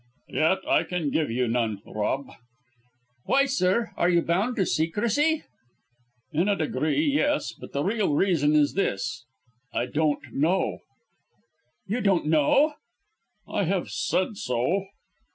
"Yet I can give you none, Rob." "Why, sir? Are you bound to secrecy?" "In a degree, yes. But the real reason is this I don't know." "You don't know!" "I have said so."